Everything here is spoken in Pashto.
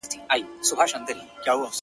په مظاهرو کې څرګنده وي